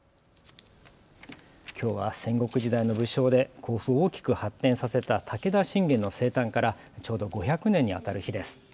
きょうは戦国時代の武将で甲府を大きく発展させた武田信玄の生誕から、ちょうど５００年に当たる日です。